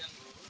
masuk ke rumah